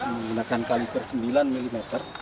menggunakan kaliber sembilan mm